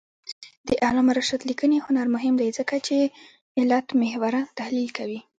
د علامه رشاد لیکنی هنر مهم دی ځکه چې علتمحوره تحلیل کوي.